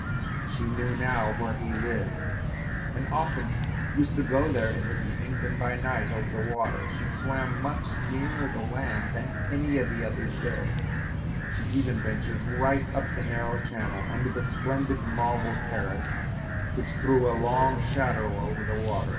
She knew now where he lived and often used to go there in the evenings and by night over the water; she swam much nearer the land than any of the others dared, she even ventured right up the narrow channel under the splendid marble terrace which threw a long shadow over the water.